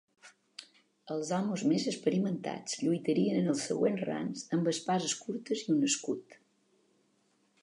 Els homes més experimentats lluitarien en els següents rangs amb espases curtes i un escut.